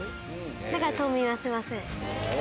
だから冬眠はしません。